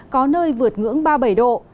có nơi vượt ngưỡng ba mươi bảy độ